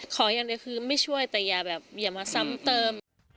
ขออย่างเดียวคือไม่ช่วยแต่อย่าแบบอย่ามาซ้ำเติม